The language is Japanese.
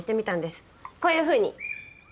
こういうふうに。